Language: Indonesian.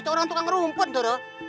itu orang tukang rumput itu